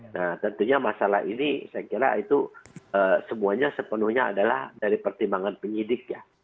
nah tentunya masalah ini saya kira itu semuanya sepenuhnya adalah dari pertimbangan penyidik ya